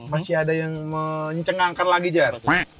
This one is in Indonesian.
masih ada yang mencengangkan lagi jarod